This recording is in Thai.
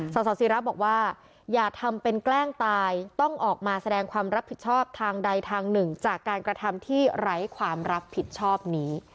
สสิระบอกว่าอย่าทำเป็นแกล้งตายต้องออกมาแสดงความรับผิดชอบทางใดทางหนึ่งจากการกระทำที่ไร้ความรับผิดชอบนี้